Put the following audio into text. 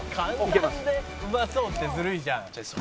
「簡単でうまそうってずるいじゃん」